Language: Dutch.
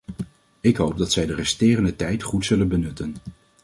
Ik hoop dat zij de resterende tijd goed zullen benutten.